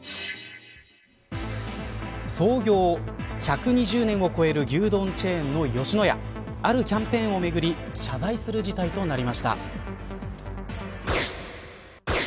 創業１２０年を超える牛丼チェーンの吉野家あるキャンペーンをめぐり謝罪する事態となりました。